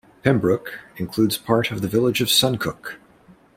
Pembroke includes part of the village of Suncook.